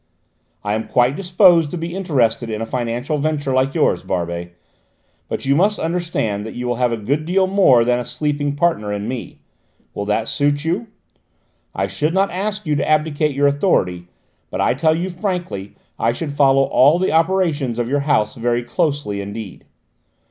"I'm quite disposed to be interested in a financial venture like yours, Barbey. But you must understand that you will have a good deal more than a sleeping partner in me. Will that suit you? I should not ask you to abdicate your authority, but I tell you frankly I should follow all the operations of your house very closely indeed."